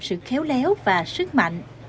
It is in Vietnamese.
sự khéo léo và sức mạnh